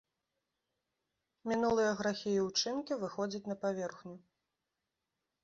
Мінулыя грахі і ўчынкі выходзяць на паверхню.